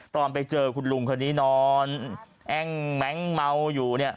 ตอนไปเจอคุณลุงคราวนี้นอนแอ้งหมั๊งเมาอยู่